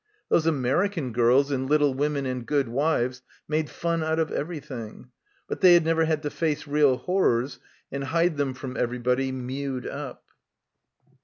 Those American girls in "Little Women" and "Good Wives" made fun out of everything. But they had never had to face real horrors and hide them from everybody, mewed up.